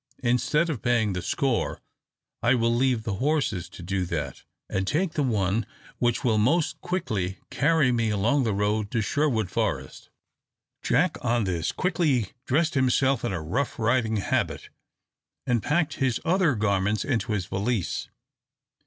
Instead of paying the score, I will leave the horses to do that, and take the one which will most quickly carry me along the road to Sherwood Forest." Jack, on this, quickly dressed himself in a rough riding habit, and packed his other garments into his valise.